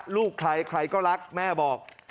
ลูกใครใครก็รักแม่บอก